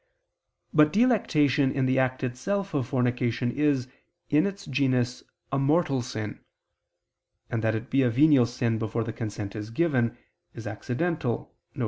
But delectation in the act itself of fornication is, in its genus, a mortal sin: and that it be a venial sin before the consent is given, is accidental, viz.